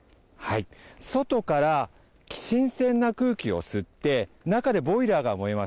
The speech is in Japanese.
外から新鮮な空気を吸って、中でボイラーが燃えます。